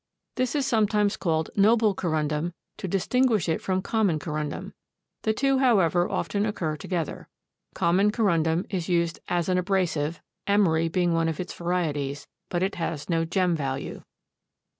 This is sometimes called noble Corundum to distinguish it from common Corundum. The two, however, often occur together. Common Corundum is used as an abrasive, emery being one of its varieties, but it has no gem value.